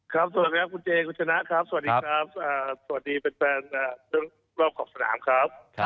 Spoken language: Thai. สวัสดีครับคุณเจคุณชนะครับสวัสดีครับสวัสดีแฟนเรื่องรอบขอบสนามครับ